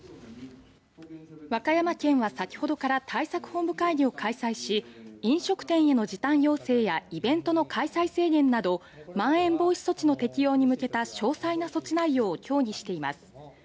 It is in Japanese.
和歌山県は先ほどから対策本部会議を開催し飲食店への時短要請やイベントの開催制限などまん延防止措置の適用に向けた詳細な措置内容を協議しています。